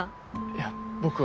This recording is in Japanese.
いや僕は。